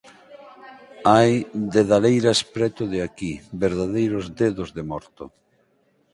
Hai dedaleiras preto de aquí, verdadeiros dedos de morto.